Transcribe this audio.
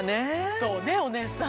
そうねお姉さん。